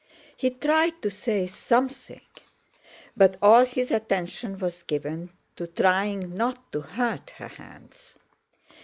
He tried to say something, but all his attention was given to trying not to hurt her hands.